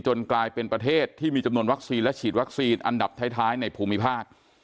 กลายเป็นประเทศที่มีจำนวนวัคซีนและฉีดวัคซีนอันดับท้ายในภูมิภาค